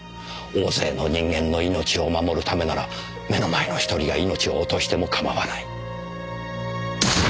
大勢の人間の命を守るためなら目の前の１人が命を落としても構わない。